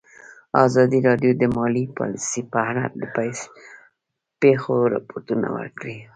ازادي راډیو د مالي پالیسي په اړه د پېښو رپوټونه ورکړي.